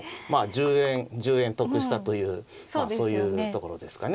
１０円得したというそういうところですかね。